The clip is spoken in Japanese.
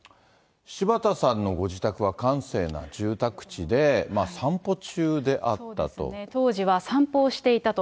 柴田さんのご自宅は閑静な住宅地で、そうですね、当時は散歩をしていたと。